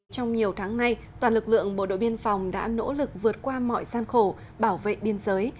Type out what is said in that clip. trong nhiều tháng nay toàn lực lượng bộ đội biên phòng đã nỗ lực vượt qua mọi gian khổ bảo vệ biên giới